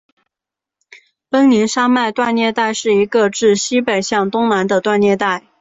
奔宁山脉断裂带是一个自西北向东南的断裂带。